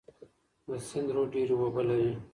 د سند رود ډیر اوبه لري.